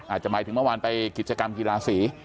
อาจจะหมายถึงเมื่อวานไปกิจกรรมกีฬาสี